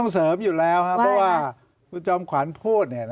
เสริมอยู่แล้วครับนะครับท่านคุณชอบขวานพูดนะครับ